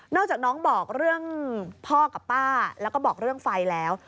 จากน้องบอกเรื่องพ่อกับป้าแล้วก็บอกเรื่องไฟแล้ว